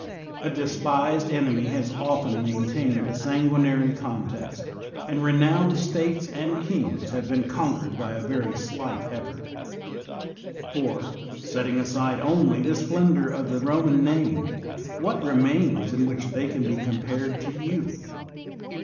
A despised enemy has often maintained a san guinary contest, and renowned States and kings have been conquered by a very slight effort For, setting aside only the splendor of the > Now called PoitugaL 10 HANNIBAL Boman name^ what remains in which they can be compared to you?